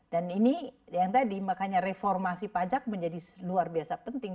dan ini yang tadi makanya reformasi pajak menjadi luar biasa penting